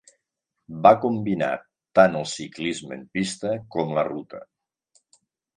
Va combinar tant el ciclisme en pista com la ruta.